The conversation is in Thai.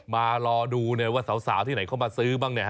มารอดูว่าสาวที่ไหนเข้ามาซื้อบ้าง